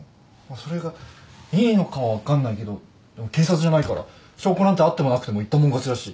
それがいいのかは分かんないけどでも警察じゃないから証拠なんてあってもなくても言った者勝ちだし。